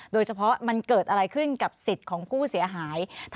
โดยเฉพาะมันเกิดอะไรขึ้นกับสิทธิ์ของผู้เสียหาย